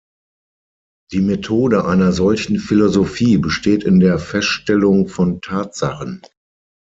Die Methode einer solchen Philosophie besteht in der Feststellung von Tatsachen.